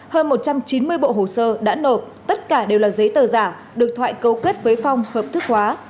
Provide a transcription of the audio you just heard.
hơn một trăm chín mươi bộ hồ sơ đã nộp tất cả đều là giấy tờ giả được thoại câu kết với phong hợp thức hóa